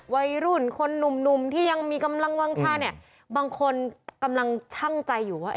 วัยรุ่นคนหนุ่มที่ยังมีกำลังวางชาเนี่ยบางคนกำลังชั่งใจอยู่ว่า